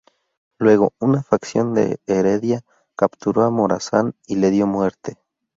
Luego una facción de Heredia capturó a Morazán y le dio muerte.